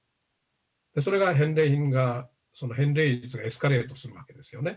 それが返礼品が、返礼率がエスカレートするわけですよね。